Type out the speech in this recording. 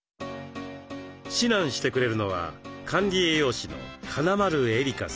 指南してくれるのは管理栄養士の金丸絵里加さん。